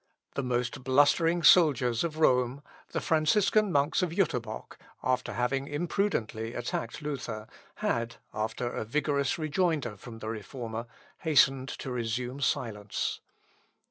The most blustering soldiers of Rome, the Franciscan monks of Jûterbock, after having imprudently attacked Luther, had, after a vigorous rejoinder from the Reformer, hastened to resume silence.